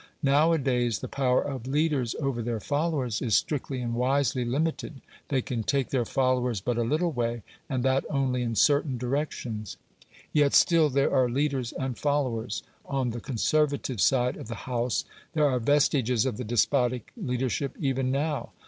Nowadays, the power of leaders over their followers is strictly and wisely limited: they can take their followers but a little way, and that only in certain directions. Yet still there are leaders and followers. On the Conservative side of the House there are vestiges of the despotic leadership even now.